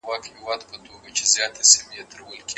لويه جرګه د بهرنيو هېوادونو سره اړيکي څېړي.